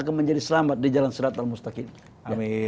akan menjadi selamat di jalan serata mustaqim